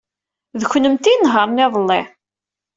D kennemti ay inehṛen iḍelli.